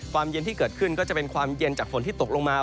เย็นที่เกิดขึ้นก็จะเป็นความเย็นจากฝนที่ตกลงมา